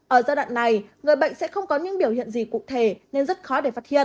ở giai đoạn này người bệnh sẽ không có những biểu hiện gì cụ thể nên rất khó để phát hiện